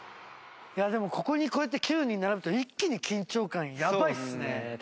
でもここにこうやって９人並ぶと一気に緊張感やばいっすね。